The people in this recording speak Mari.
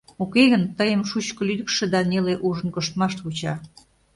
Уке гын, тыйым шучко лӱдыкшӧ да неле ужын коштмаш вуча.